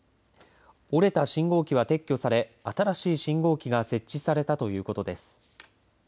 折れた信号機は撤去され新しい信号機が設置されたということです。